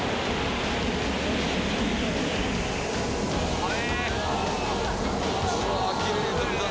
はい。